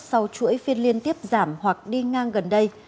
sau chuỗi phiên liên tiếp giảm hoặc đi ngang gần đây